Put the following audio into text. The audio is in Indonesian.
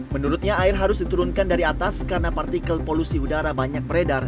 menurutnya air harus diturunkan dari atas karena partikel polusi udara banyak beredar